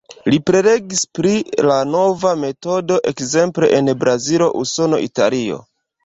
Li prelegis pri la nova metodo ekzemple en Brazilo, Usono, Italio.